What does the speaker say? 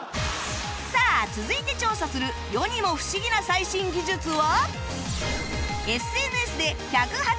さあ続いて調査する世にも不思議な最新技術は